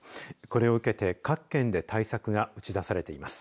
これを受けて各県で対策が打ち出されています。